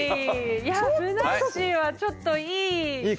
いやふなっしーはちょっといい。